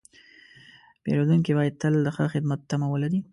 پیرودونکی باید تل د ښه خدمت تمه ولري.